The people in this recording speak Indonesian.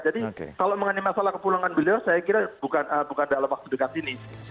jadi kalau mengenai masalah kepulangan beliau saya kira bukan dalam waktu dekat ini